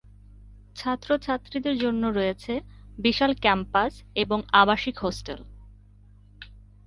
ছাত্রছাত্রীদের জন্য রয়েছে বিশাল ক্যাম্পাস এবং আবাসিক হোস্টেল।